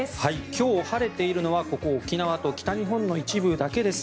今日晴れているのはここ沖縄と北日本の一部だけです。